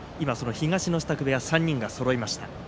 東の支度部屋３人がそろいました。